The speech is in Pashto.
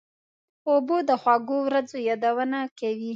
اوبه د خوږو ورځو یادونه کوي.